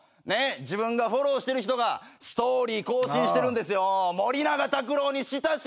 自分がフォローしてる人がストーリー更新してるんですよ。